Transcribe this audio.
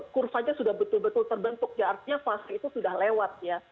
kurvanya sudah betul betul terbentuk ya artinya fase itu sudah lewat ya